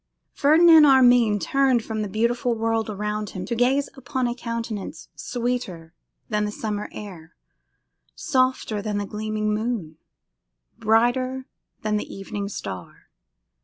Ferdinand Armine turned from the beautiful world around him to gaze upon a countenance sweeter than the summer air, softer than the gleaming moon, brighter than the evening star.